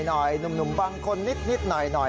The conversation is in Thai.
หนุ่มบางคนนิดหน่อย